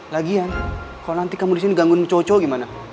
lagian kalau nanti kamu disini gangguin cowok cowok gimana